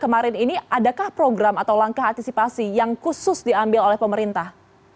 kemarin ini adakah program atau langkah antisipasi yang khusus diambil oleh pemerintah